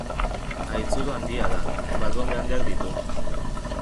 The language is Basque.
Haitzulo handia da, barrunbe handiak ditu.